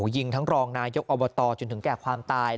ยิงทั้งรองนายกอบตจนถึงแก่ความตาย